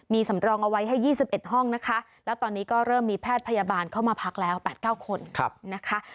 มีสำรองเอาไว้ให้๒๑ห้องนะคะแล้วตอนนี้ก็เริ่มมีแพทย์พยาบาลเข้ามาพักแล้ว๘๙คนนะคะ